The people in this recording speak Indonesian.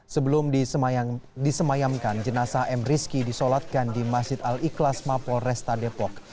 sebelum disemayamkan jenasa m risky disolatkan di masjid al iklas mapolresta depok